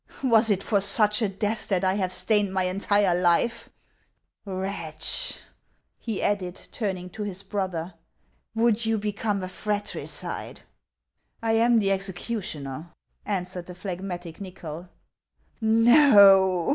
Was it for such a death that I have stained my entire life ? Wretch !" he added, turning to his brother, "would you become a fratricide ?"" I am the executioner," answered the phlegmatic NychoL " Xo